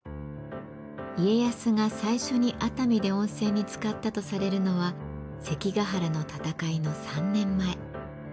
家康が最初に熱海で温泉につかったとされるのは関ヶ原の戦いの３年前。